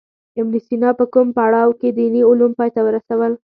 ابن سینا په کوم پړاو کې دیني علوم پای ته ورسول.